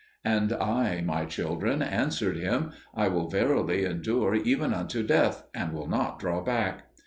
And I, my children, answered him, "I will verily endure even unto death, and will not draw back."